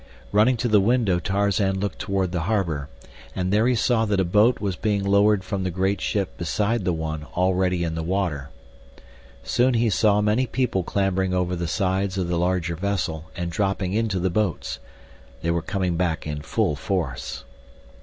Running to the window Tarzan looked toward the harbor, and there he saw that a boat was being lowered from the great ship beside the one already in the water. Soon he saw many people clambering over the sides of the larger vessel and dropping into the boats. They were coming back in full force.